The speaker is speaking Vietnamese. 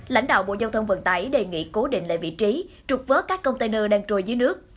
lãnh đạo bộ giao thông vận tải đề nghị cố định lại vị trí trục vớt các container đang trôi dưới nước